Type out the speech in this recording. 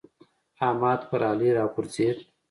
احمد پر علي راغورځېد.